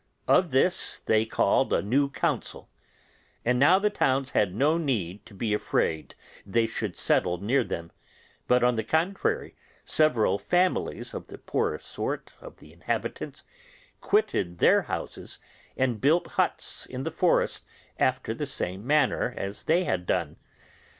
On this they called a new council, and now the towns had no need to be afraid they should settle near them; but, on the contrary, several families of the poorer sort of the inhabitants quitted their houses and built huts in the forest after the same manner as they had done.